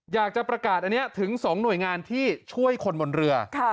อยากจะประกาศอันนี้ถึง๒หน่วยงานที่ช่วยคนบนเรือ